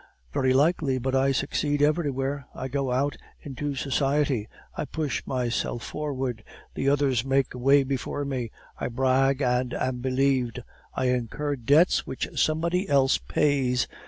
Very likely, but I succeed everywhere. I go out into society, I push myself forward, the others make way before me; I brag and am believed; I incur debts which somebody else pays!